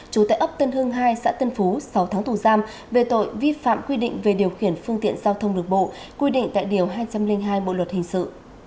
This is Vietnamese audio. trú tại ấp tân hưng hai xã tân phú sáu tháng tù giam về tội vi phạm quy định về điều khiển phương tiện giao thông đường bộ quy định tại điều hai trăm linh hai bộ luật hình sự